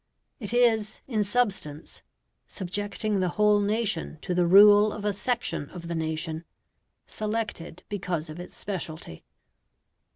It is, in substance, subjecting the whole nation to the rule of a section of the nation, selected because of its speciality.